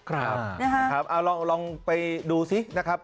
ครับเอาลองไปดูสินะครับ